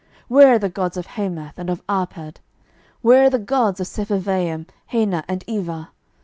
12:018:034 Where are the gods of Hamath, and of Arpad? where are the gods of Sepharvaim, Hena, and Ivah?